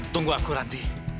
tunggu aku ranti